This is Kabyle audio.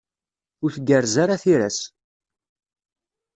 Ur tgerrez ara tira-s.